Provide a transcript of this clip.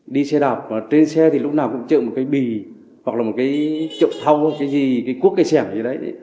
đi xe đạp mà trên xe thì lúc nào cũng trợ một cái bì hoặc là một cái trộm thâu cái gì cái cuốc cái xẻng gì đấy